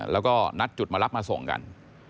แล้วก็นัดจุดมารับมาส่งกัน